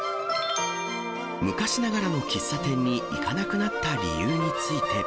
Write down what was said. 昔ながらの喫茶店に行かなくなった理由について。